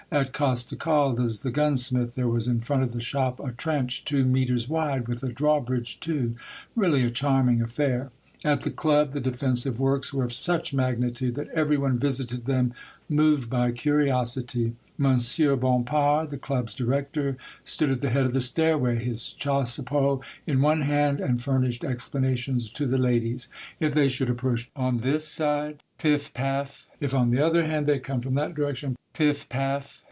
At Costecalde's, the gunsmith, there was in front of the shop, a trench two metres 74 Monday Tales, wide, with a drawbridge too, — really a charming affair ! At the Club the defensive works were of such magnitude that every one visited them, moved by curiosity. Monsieur Bompard, the Club's director, stood at the head of the stairway, his chassepot in one hand, and furnished explanations to the ladies. '' If they should approach on this side, piff ! paff! If, on the other hand, they come from that direction, piff! paff!